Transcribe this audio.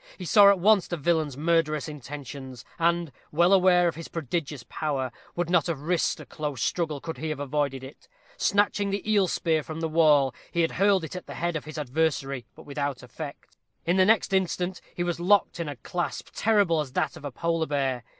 He saw at once the villain's murderous intentions, and, well aware of his prodigious power, would not have risked a close struggle could he have avoided it. Snatching the eel spear from the wall, he had hurled it at the head of his adversary, but without effect. In the next instant he was locked in a clasp terrible as that of a Polar bear.